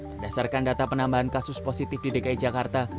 berdasarkan data penambahan kasus positif di dki jakarta